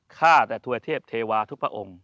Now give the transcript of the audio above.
ข้าแต่ทุยเทพเทวาทุพระองค์